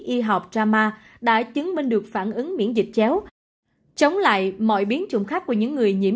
y học drama đã chứng minh được phản ứng miễn dịch chéo chống lại mọi biến trụng khác của những người